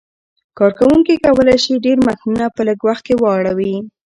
کاروونکي کولای شي ډېر متنونه په لږ وخت کې واړوي.